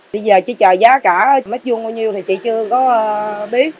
bây giờ chỉ chờ giá cả mét vuông bao nhiêu thì chị chưa có biết